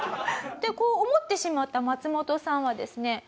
こう思ってしまったマツモトさんはですね